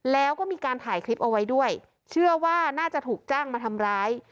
แล้วก็มีการถ่ายคลิปเอาไว้ด้วยเชื่อว่าน่าจะถูกจ้างมาทำร้าย